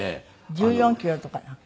１４キロとかなんか。